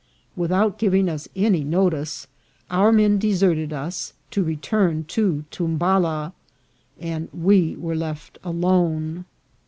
Without giving us any notice, our men deserted us to return to Tumbala, and we were left alone.